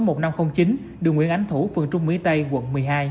đường nguyễn ánh thủ phường trung mỹ tây quận một mươi hai